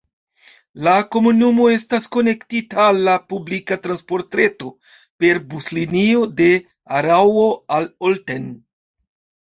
La komunumo estas konektita al la publika transportreto per buslinio de Araŭo al Olten.